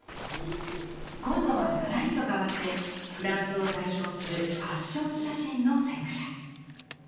今度はがらりと変わってフランスを代表するファッション写真の先駆者。